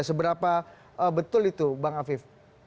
seberapa betul itu bang afif